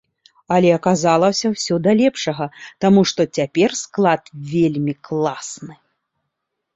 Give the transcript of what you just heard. Але, аказалася, усё да лепшага, таму што цяпер склад вельмі класны!